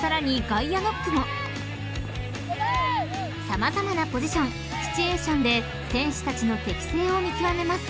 ［様々なポジションシチュエーションで選手たちの適性を見極めます］